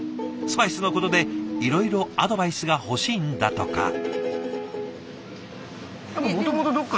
スパイスのことでいろいろアドバイスが欲しいんだとか。